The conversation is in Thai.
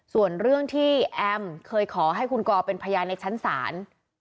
ส่วนเรื่องที่แอมเคยขอให้คุณกอเป็นพยานในชั้นศาล